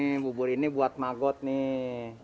ini bubur ini buat magot nih